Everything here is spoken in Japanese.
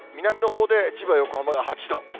南のほうで千葉、横浜が８度。